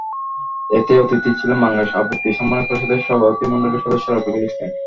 এতে অতিথি ছিলেন বাংলাদেশ আবৃত্তি সমন্বয় পরিষদের সভাপতিমণ্ডলীর সদস্য রফিকুল ইসলাম।